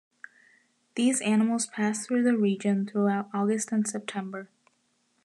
These animals pass through the region throughout August and September.